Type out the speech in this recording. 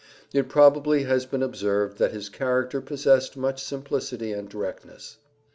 It probably has been observed that his character possessed much simplicity and directness.